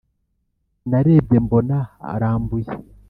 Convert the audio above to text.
narebye mbona arambuye